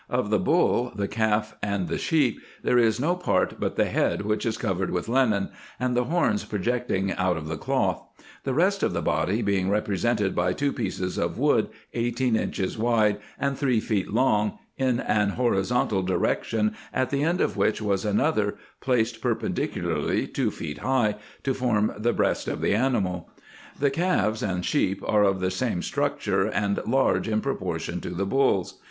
Of the bull, the calf, and the sheep, there is no part but the head which is covered with linen, and the horns projecting out of the cloth ; the rest of the body being represented by two pieces of wood, eighteen inches wide and three feet long, in an horizontal direction, at the end of which was another, placed perpendicularly, two feet high, to form the breast of the animal. The calves and sheep are of the same structure, and large in proportion to the bulls.